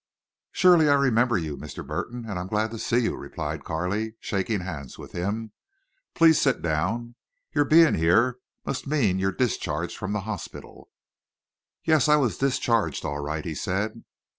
"Surely I remember you, Mr. Burton, and I'm glad to see you," replied Carley, shaking hands with him. "Please sit down. Your being here must mean you're discharged from the hospital." "Yes, I was discharged, all right," he said.